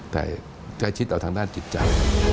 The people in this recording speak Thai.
แต่ใกล้ชิดต่อทางด้านจิตใจ